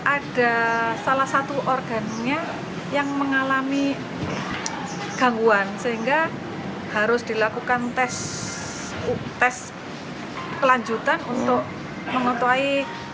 ada salah satu organnya yang mengalami gangguan sehingga harus dilakukan tes kelanjutan untuk mengetuai